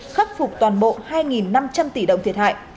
khắc phục toàn bộ hai năm trăm linh tỷ đồng thiệt hại